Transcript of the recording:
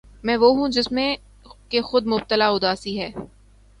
میں وہ ہوں جس میں کہ خود مبتلا اُداسی ہے